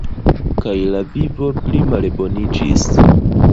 Kaj la vivo plimalboniĝis.